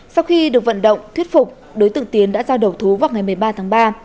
sau khi được vận động thuyết phục đối tượng tiến đã ra đầu thú vào ngày một mươi ba tháng ba